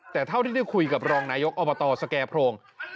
แต่เท่าที่ได้คุยกับรองนายกอบตสแก่โพรง